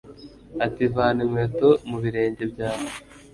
ati vana inkweto mu birenge byawe